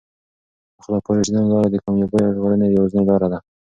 د خلفای راشدینو لاره د کامیابۍ او ژغورنې یوازینۍ لاره ده.